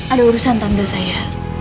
ada urusan tante saya